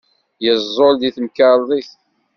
Yeẓẓul deg temkarḍit.